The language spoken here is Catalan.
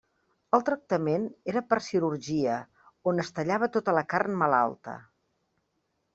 El tractament era per cirurgia, on es tallava tota la carn malalta.